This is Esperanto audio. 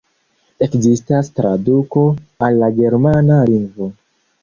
Ekzistas traduko al la germana lingvo.